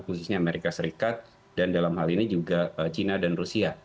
khususnya amerika serikat dan dalam hal ini juga cina dan rusia